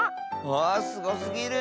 あすごすぎる！